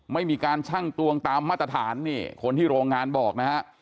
ไม่มีการชั่งตวงตามมาตรฐานนี่คนที่โรงงานบอกนะฮะ